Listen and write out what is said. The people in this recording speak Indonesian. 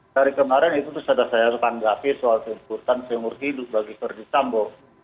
dari kemarin itu sudah saya tanggapi soal tuntutan seumur hidup bagi verdi sambo